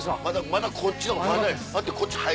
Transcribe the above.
まだこっちの方がまだええ。